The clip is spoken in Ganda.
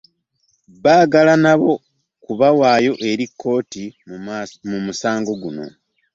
Baagala nabwo kubuwaayo eri kkooti mu musango guno.